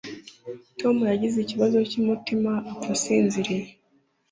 Tom yagize ikibazo cy'umutima apfa asinziriye.